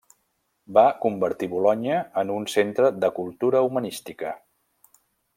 Va convertir Bolonya en un centre de cultura humanística.